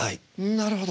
なるほど。